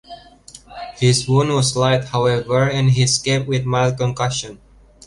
His wound was slight, however, and he escaped with mild concussion.